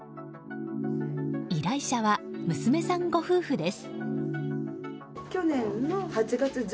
依頼者は、娘さんご夫婦です。